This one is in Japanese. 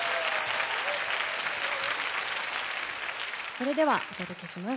それではお届けします。